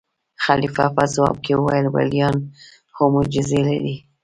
خلیفه په ځواب کې وویل: ولیان خو معجزې لري.